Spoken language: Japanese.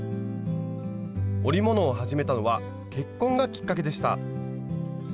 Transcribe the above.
織物を始めたのは結婚がきっかけでした。